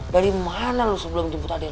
balik mana lu sebelum jemput ade lu